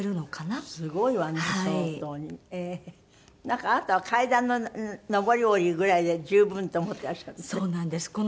なんかあなたは階段の上り下りぐらいで十分と思ってらっしゃるんですって？